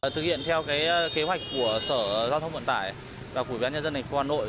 thực hiện theo cái kế hoạch của sở giao thông vận tải và củi bán nhân dân thành phố hà nội